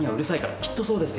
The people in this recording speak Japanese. きっとそうですよ。